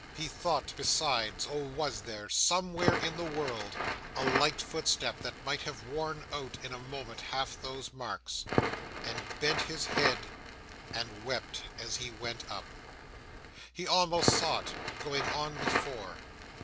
He thought, besides, oh was there, somewhere in the world, a light footstep that might have worn out in a moment half those marks!—and bent his head, and wept as he went up. He almost saw it, going on before.